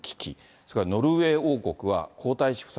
それからノルウェー王国は皇太子夫妻